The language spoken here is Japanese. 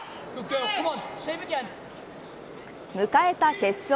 迎えた決勝。